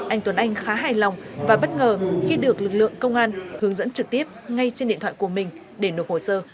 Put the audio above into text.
anh tuấn anh khá hài lòng và bất ngờ khi được lực lượng công an hướng dẫn trực tiếp ngay trên điện thoại của mình để nộp hồ sơ